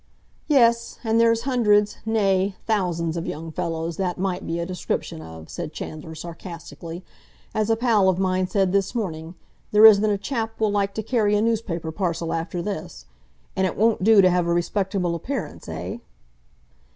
"Yes. And there's hundreds—nay, thousands—of young fellows that might be a description of," said Chandler sarcastically. "As a pal of mine said this morning, 'There isn't a chap will like to carry a newspaper parcel after this.' And it won't do to have a respectable appearance—eh?"